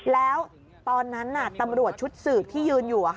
แล้วตอนนั้นตำรวจชุดสืบที่ยืนอยู่